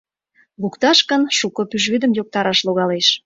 Лукташ гын, шуко пӱжвӱдым йоктараш логалеш.